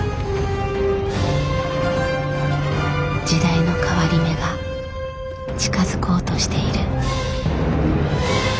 時代の変わり目が近づこうとしている。